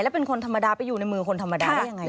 เป็นคนธรรมดาไปอยู่ในมือคนธรรมดาได้ยังไง